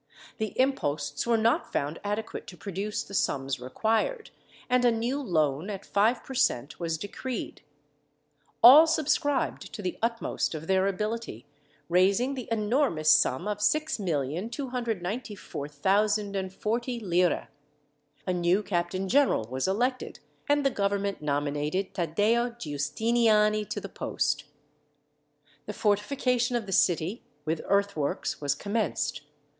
The imposts were not found adequate to produce the sums required, and a new loan, at five per cent, was decreed. All subscribed to the utmost of their ability, raising the enormous sum of 6,294,040 lire. A new captain general was elected, and the government nominated Taddeo Giustiniani to the post. The fortification of the city, with earthworks, was commenced.